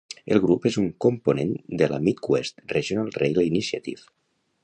El grup és un component de la Midwest Regional Rail Initiative.